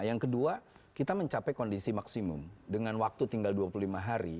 yang kedua kita mencapai kondisi maksimum dengan waktu tinggal dua puluh lima hari